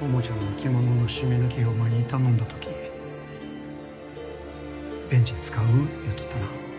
桃ちゃんの着物のシミ抜きをお前に頼んだ時ベンジン使う言うとったな。